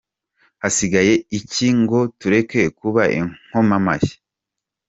– Hasigaye iki ngo tureke kuba inkomamashyi!